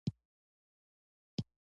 قهوه د ونې دانی دي